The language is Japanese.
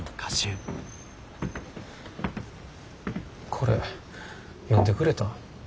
これ読んでくれたん。